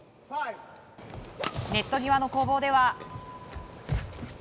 ネット際の攻防では。